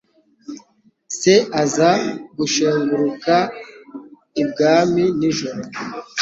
Se aza gushenguruka ibwami nijoro